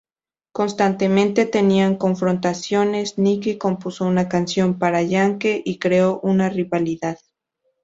Constantemente tenían confrontaciones; Nicky compuso una canción para Yankee y creó una rivalidad.